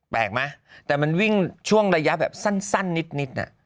แปลกไหมแต่มันวิ่งช่วงระยะแบบสั้นนิดน่ะ